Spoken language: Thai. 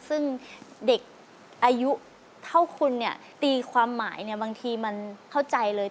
ซึ่งเด็กอายุเท่าคุณตีความหมายบางทีมันเข้าใจเลย